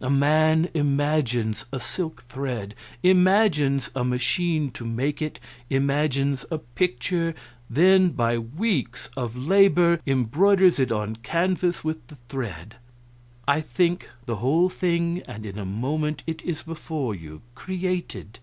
A man imagines a silk thread, imagines a machine to make it, imagines a picture, then by weeks of labor embroiders it on canvas with the thread. I think the whole thing, and in a moment it is before you created.